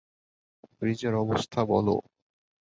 ব্রিজের অবস্থা বলো।